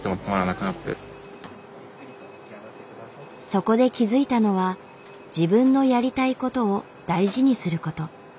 そこで気付いたのは「自分のやりたいこと」を大事にすること。